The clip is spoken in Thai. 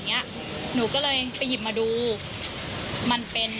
ที่อยู่บนหลังคาแล้วซึ่งหนูถ่ายไม่เห็น